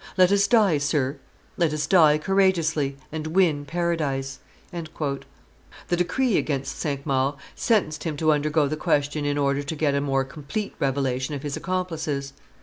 Let us die, sir, let us die courageously, and win Paradise." The decree against Cinq Mars sentenced him to undergo the question in order to get a more complete revelation of his accomplices.